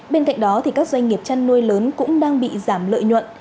bên cạnh đó các doanh nghiệp chăn nuôi lớn cũng đang bị giảm lợi nhuận